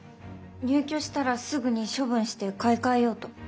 入居したらすぐに処分して買い替えようと。